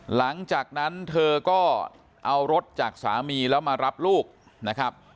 หลังจากนั้นเธอก็เอารถจากสามีแล้วมารับลูกนะครับ